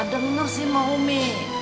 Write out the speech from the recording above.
gak denger sih sama umi